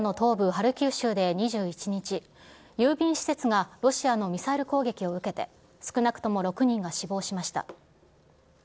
ハルキウ州で２１日、郵便施設がロシアのミサイル攻撃を受けて、少なくとも６人が死亡しました。